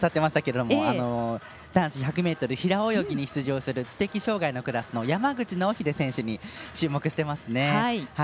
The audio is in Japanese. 男子１００ｍ平泳ぎに出場する知的障がいのクラスの山口尚秀選手に注目してますね。